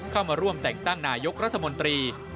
เข้ามาร่วมแต่งตั้งนายกรัฐมนตรี